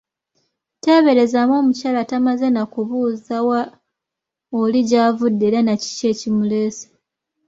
Teeberezaamu omukyala tamaze na kubuuza wa oli gy'avudde era nakiki ekimuleese.